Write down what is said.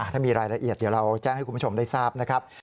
ถ้ามีรายละเอียดเดี๋ยวเราแจ้งให้คุณผู้ชมได้ทราบนะครับ